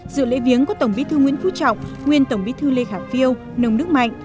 dự lễ viếng có tổng bí thư nguyễn phú trọng nguyên tổng bí thư lê khả phiêu nông đức mạnh